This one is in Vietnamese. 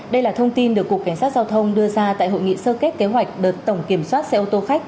đây là thông tin được cục cảnh sát giao thông đưa ra tại hội nghị sơ kết kế hoạch đợt tổng kiểm soát xe ô tô khách